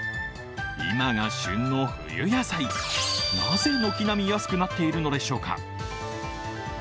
今が旬の冬野菜、なぜ軒並み安くなっているのでしょうか？